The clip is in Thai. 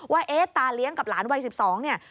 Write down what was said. ว่าเอ๊ะตาเลี้ยงกับหลานวัย๑๒เนี่ย